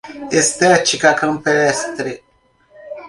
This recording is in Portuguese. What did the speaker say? Estética campestre